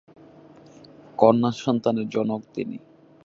কন্যা সন্তানের জনক তিনি।